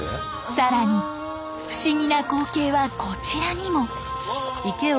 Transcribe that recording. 更に不思議な光景はこちらにも！